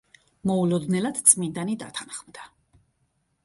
მოულოდნელად წმინდანი დათანხმდა.